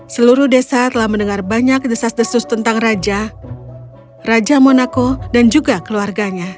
seluruh desa telah mendengar banyak desas desus tentang raja raja monaco dan juga keluarganya